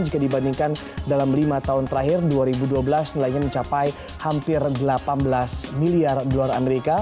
jika dibandingkan dalam lima tahun terakhir dua ribu dua belas nilainya mencapai hampir delapan belas miliar dolar amerika